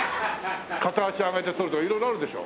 片足上げて撮るとか色々あるでしょ？